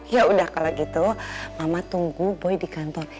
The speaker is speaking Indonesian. yaudah kalau gitu mama tunggu boy di kantor